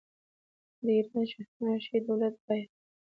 د ایران شاهنشاهي دولت باید په شرایطو کې دا خبره یاده کړي.